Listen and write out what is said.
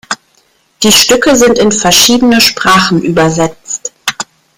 Die Stücke sind in verschiedene Sprachen übersetzt.